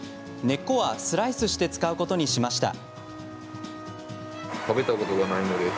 根っこはスライスして使うことにしました。